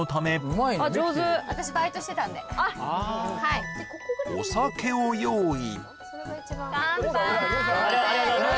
上手お酒を用意